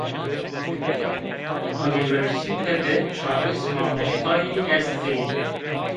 Unîversîte de çarês mamostayî est ê